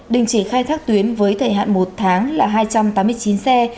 đình chỉ khai thác tuyến với thời hạn một tháng là hai trăm tám mươi chín xe